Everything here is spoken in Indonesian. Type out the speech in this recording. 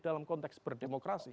dalam konteks berdemokrasi